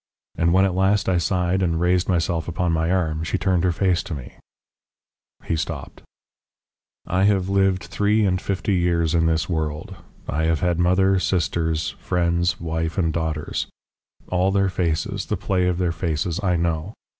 And when at last I sighed and raised myself upon my arm she turned her face to me " He stopped. "I have lived three and fifty years in this world. I have had mother, sisters, friends, wife, and daughters all their faces, the play of their faces, I know.